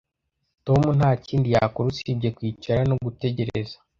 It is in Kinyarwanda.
Tom nta kindi yakora usibye kwicara no gutegereza